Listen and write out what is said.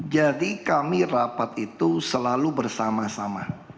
jadi kami rapat itu selalu bersama sama